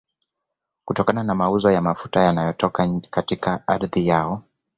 kutokana na mauzo ya mafuta yanayotoka katika ardhi yao